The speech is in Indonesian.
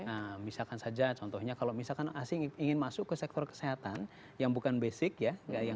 nah misalkan saja contohnya kalau misalkan asing ingin masuk ke sektor kesehatan yang bukan basic ya